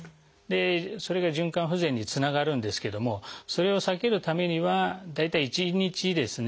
でそれが循環不全につながるんですけどもそれを避けるためには大体１日ですね